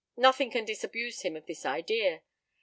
Nothing can disabuse him of this idea.